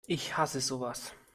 Ich hasse sowas!